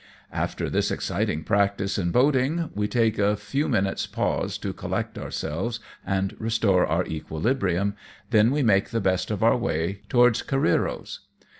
After this exciting practice in boating, we take a few minutes' pause to collect ourselves and restore our equilibrium, then we make the best of our way towards Careero's.